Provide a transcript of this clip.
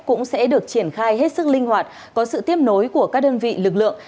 cũng sẽ được triển khai hết sức linh hoạt có sự tiếp nối của các đơn vị lực lượng